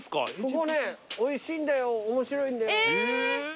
ここねおいしいんだよ面白いんだよ。